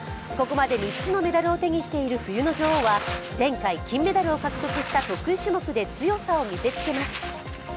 ここまで３つのメダルを手にしている冬の女王は、前回金メダルを獲得した得意種目で強さを見せつけます。